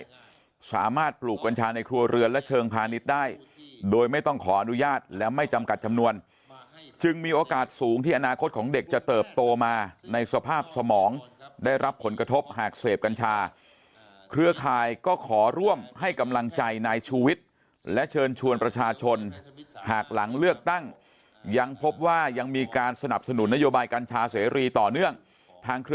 สามารถปลูกกัญชาในครัวเรือนและเชิงพาณิชย์ได้โดยไม่ต้องขออนุญาตและไม่จำกัดจำนวนจึงมีโอกาสสูงที่อนาคตของเด็กจะเติบโตมาในสภาพสมองได้รับผลกระทบหากเสพกัญชาเครือข่ายก็ขอร่วมให้กำลังใจนายชูวิทย์และเชิญชวนประชาชนหากหลังเลือกตั้งยังพบว่ายังมีการสนับสนุนนโยบายกัญชาเสรีต่อเนื่อง